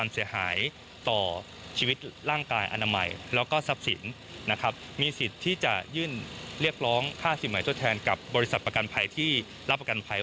มันก็ดูแลในเรื่องของการคุ้มครองสิทธิ์นะครับ